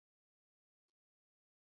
Wewe ni nguzo yangu .